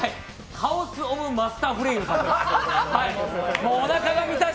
カオスオブマスターフレイムさんです。